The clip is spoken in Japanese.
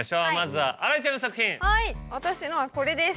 はい私のはこれです。